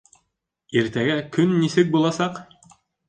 Иртәгә көн нисек буласаҡ?